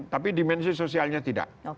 tapi dimensi sosialnya tidak